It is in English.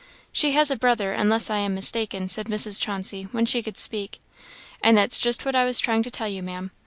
"She has a brother, unless I am mistaken," said Mrs. Chauncey, when she could speak. "And that's just what I was trying to tell you, Ma'am.